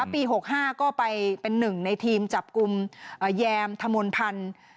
ปี๑๙๖๕ก็ไปเป็นหนึ่งในทีมจับกุมแยมถมนภัณฑ์